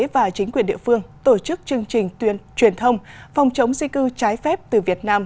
và chính quyền địa phương tổ chức chương trình truyền thông phòng chống di cư trái phép từ việt nam